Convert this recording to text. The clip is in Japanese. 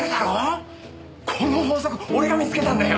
この法則俺が見つけたんだよ。